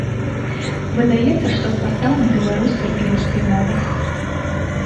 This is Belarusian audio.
Выдаецца штоквартал на беларускай і рускай мовах.